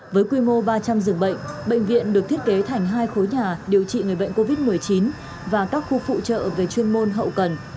với quy mô ba trăm linh giường bệnh bệnh viện được thiết kế thành hai khối nhà điều trị người bệnh covid một mươi chín và các khu phụ trợ về chuyên môn hậu cần